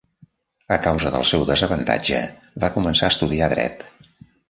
A causa del seu desavantatge, va començar a estudiar dret.